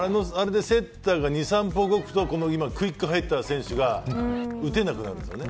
セッターが２、３歩動くとクイック入った選手が打てなくなるんですよね。